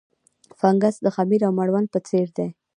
فنګس د خمیر او مړوند په څېر دي.